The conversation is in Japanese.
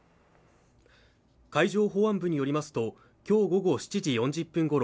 海上保安部によりますときょう午後７時４０分ごろ